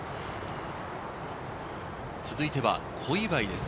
続いては小祝です。